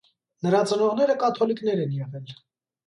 Նրա ծնողները կաթոլիկներ են եղել։